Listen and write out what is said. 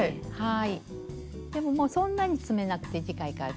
はい。